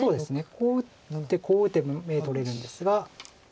こう打ってこう打てば眼取れるんですが。